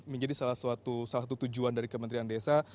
menjadi salah satu tujuan dari kementerian desa